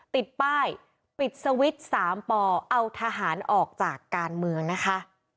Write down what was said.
ติดป้ายปิดสวิตช์๓ปเอาทหารออกจากการเมืองนะคะ